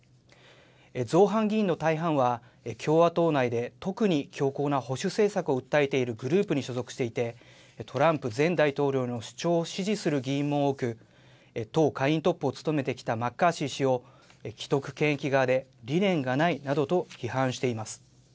造反議員の大半は、共和党内で特に強硬な保守政策を訴えているグループに所属していて、トランプ前大統領の主張を支持する議員も多く、党下院トップを務めてきたマッカーシー氏を既得権益側で、理念がないなどと批判しています。